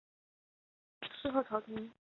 事后朝廷追赠镇军将军。